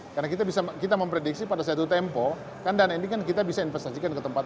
karena kita bisa kita memprediksi pada suatu tempo kandang ini kan kita bisa investasikan ke tempat